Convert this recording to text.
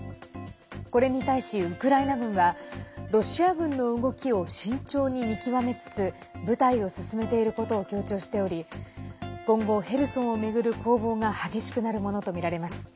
これに対しウクライナ軍はロシア軍の動きを慎重に見極めつつ部隊を進めていることを強調しており今後、ヘルソンを巡る攻防が激しくなるものとみられます。